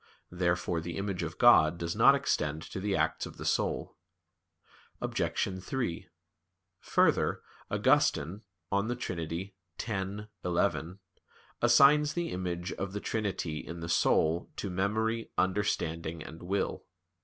Therefore the image of God does not extend to the acts of the soul. Obj. 3: Further, Augustine (De Trin. x, 11) assigns the image of the Trinity in the soul to "memory, understanding, and will."